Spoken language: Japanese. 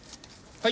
はい！